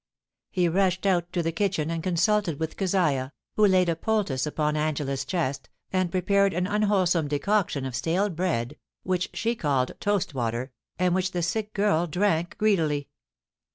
He rushed out to the kitchen and consulted with Keziah, who laid a poultice upon Angela's chest, and prepared an unwholesome decoction of stale bread, which she caUed toastwater, and which the sick girl drank greedily.